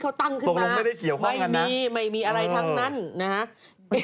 มันจะไปเจอกันตอนไหน